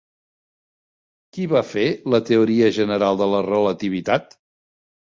Qui va fer la teoria general de la relativitat?